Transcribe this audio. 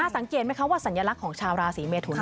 สังเกตไหมคะว่าสัญลักษณ์ของชาวราศีเมทุน